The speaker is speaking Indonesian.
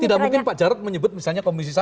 tidak mungkin pak jarod menyebut misalnya komisi satu